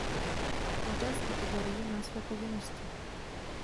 Každá z kategorií má své povinnosti.